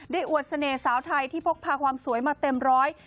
อวดเสน่ห์สาวไทยที่พกพาความสวยมาเต็มร้อย